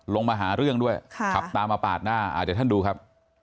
ลงมาหาเรื่องด้วยขับตามมาปาดหน้าเดี๋ยวท่านดูครับ